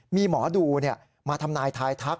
มีหมอดูมาทำนายทายทัก